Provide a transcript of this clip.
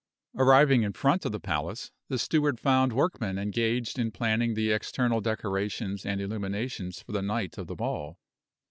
Arriving in front of the palace, the steward found workmen engaged in planning the external decorations and illuminations for the night of the ball.